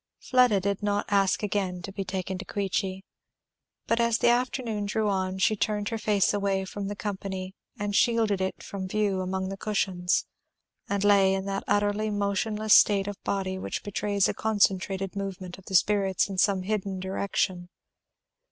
Fleda did not ask again to be taken to Queechy. But as the afternoon drew on she turned her face away from the company and shielded it from view among the cushions, and lay in that utterly motionless state of body which betrays a concentrated movement of the spirits in some hidden direction.